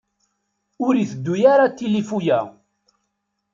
Ur iteddu ara tilifu-ya.